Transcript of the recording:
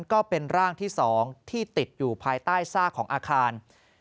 ก็เป็นร่างที่๒ที่ติดอยู่ภายใต้ซากของอาคาร